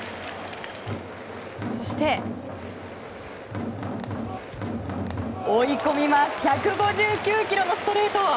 そして、追い込みます１５９キロのストレート。